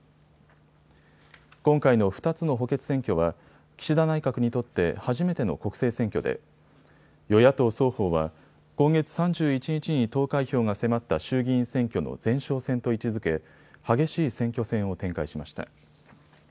今回の２つの補欠選挙は岸田内閣にとって初めての国政選挙で与野党双方は今月３１日に投開票が迫った衆議院選挙の前哨戦と位置づけ激しい選挙戦を展開しました。